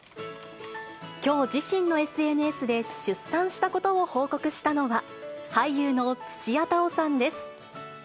きょう、自身のＳＮＳで出産したことを報告したのは、俳優の土屋太鳳さんです。